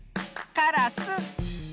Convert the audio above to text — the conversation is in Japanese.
カラス。